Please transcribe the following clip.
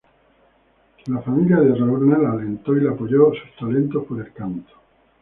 La familia de Lorna le alentó y le apoyó sus talentos por el canto.